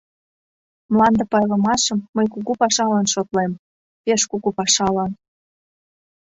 Мланде пайлымашым мый кугу пашалан шотлем, пеш кугу пашалан...